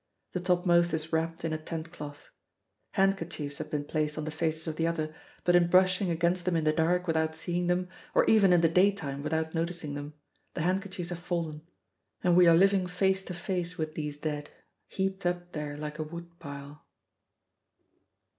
The topmost is wrapped in a tent cloth. Handkerchiefs had been placed on the faces of the others; but in brushing against them in the dark without seeing them, or even in the daytime without noticing them, the handkerchiefs have fallen, and we are living face to face with these dead, heaped up there like a wood pile.